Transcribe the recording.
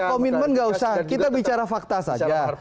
kalau komitmen nggak usah kita bicara fakta saja